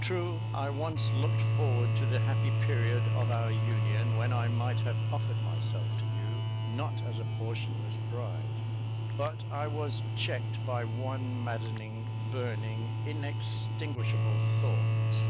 True, I once looked forward to the happy period of our union, when I might have offered myself to you, not as a portionless bride; but I was checked by one maddening, burning, inextingishable thought.